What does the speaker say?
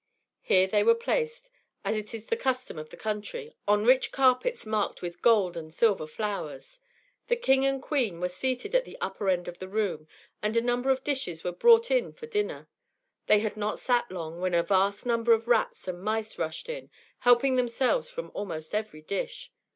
Here they were placed, as it is the custom of the country, on rich carpets marked with gold and silver flowers. The King and Queen were seated at the upper end of the room; and a number of dishes were brought in for dinner. They had not sat long, when a vast number of rats and mice rushed in, helping themselves from almost every dish.